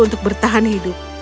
untuk bertahan hidup